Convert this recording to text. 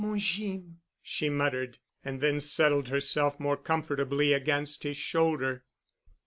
"Mon Jeem," she muttered, and then settled herself more comfortably against his shoulder.